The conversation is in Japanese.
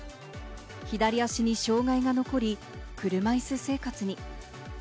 左脚に障害が残り、車いす生活に。